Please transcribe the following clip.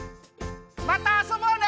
またあそぼうね！